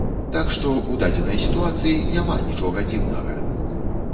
Так што, у дадзенай сітуацыі няма нічога дзіўнага.